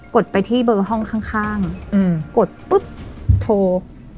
ดไปที่เบอร์ห้องข้างกดปุ๊บโทร